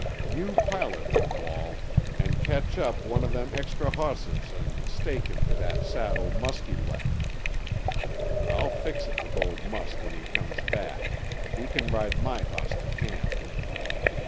You pilot him, Wall, and catch up one uh them extra hosses, and stake him to that saddle Musky left—I'll fix it with old Musk when he comes back. He can ride my hoss to camp."